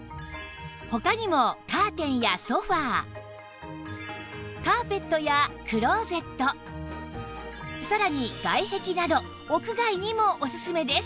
他にもカーテンやソファカーペットやクローゼットさらに外壁など屋外にもオススメです